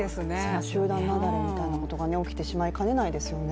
集団雪崩みたいなことが起きてしまいかねないですよね。